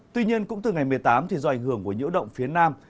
tuy nhiên cũng từ ngày một mươi tám thì do ảnh hưởng của nhiễu động phía nam